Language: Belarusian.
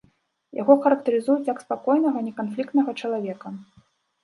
Яго характарызуюць як спакойнага, неканфліктнага чалавека.